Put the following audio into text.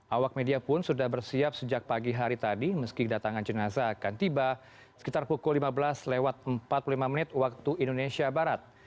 awak media pun sudah bersiap sejak pagi hari tadi meski kedatangan jenazah akan tiba sekitar pukul lima belas lewat empat puluh lima menit waktu indonesia barat